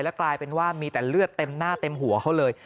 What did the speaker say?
กลายเป็นว่ามีแต่เลือดเต็มหน้าเต็มหัวเขาเลย